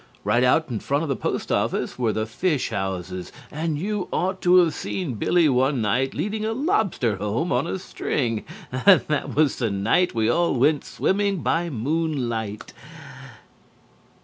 Right out in front of the Post Office were the fish houses and you ought to have seen Billy one night leading a lobster home on a string. That was the night we all went swimming by moon light."